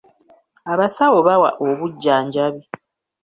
Abasawo bawa obujjanjabi.